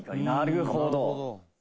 なるほど」